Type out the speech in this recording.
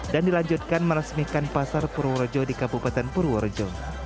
dan dilanjutkan meresmikan pasar purworejo di kabupaten purworejo